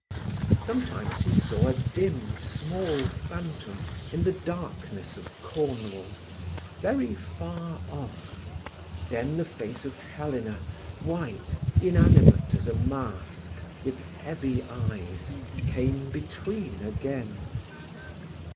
Sometimes he saw a dim, small phantom in the darkness of Cornwall, very far off. Then the face of Helena, white, inanimate as a mask, with heavy eyes, came between again.